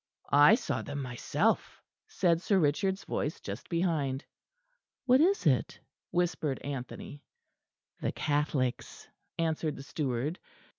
"I saw them myself," said Sir Richard's voice just behind. "What is it?" whispered Anthony. "The Catholics," answered the steward.